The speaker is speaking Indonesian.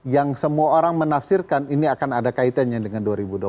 yang semua orang menafsirkan ini akan ada kaitannya dengan dua ribu dua puluh empat